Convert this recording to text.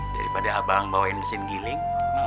daripada abang bawain mesin giling